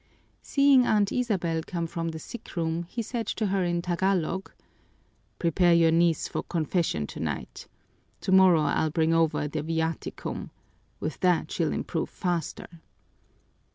Seeing Aunt Isabel come from the sick room, he said to her in Tagalog, "Prepare your niece for confession tonight. Tomorrow I'll bring over the viaticum. With that she'll improve faster."